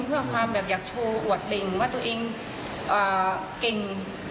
เพื่อความแบบอยากโชว์อวดเหล่งว่าตัวเองเก่ง